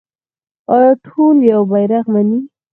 آیا ټول یو بیرغ مني؟